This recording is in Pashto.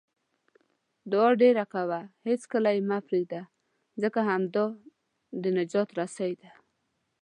دعاء ډېره کوه، هیڅکله یې مه پرېږده، ځکه همدا د نجات رسۍ ده